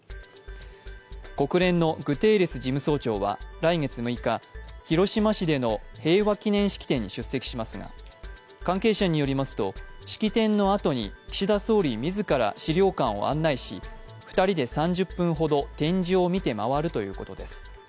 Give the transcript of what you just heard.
国連のグテーレス事務総長は来月６日広島市での平和記念式典に出席しますが関係者によりますと、式典のあとに岸田総理自ら資料館を案内し２人で３０分ほど展示を見て回るということです。